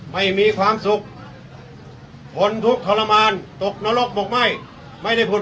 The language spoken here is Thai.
ไม่มีความสุขทนทุกข์ทรมานตกนรกบอกไม่ไม่ได้ผล